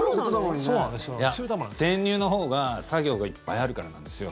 いや、転入のほうが作業がいっぱいあるからなんですよ。